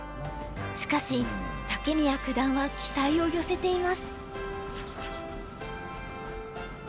しかし武宮九段は期待を寄せています。